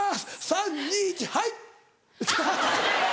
３・２・１はい！